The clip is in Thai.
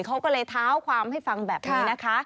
เขาก็เลยเท้าความให้ฟังแบบนี้นะคะ